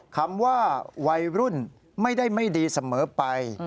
คำว่าวัยรุ่นไม่ได้ไม่ดีเสมอไป